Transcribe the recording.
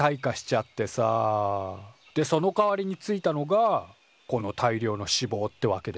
でそのかわりについたのがこの大量のしぼうってわけですよ。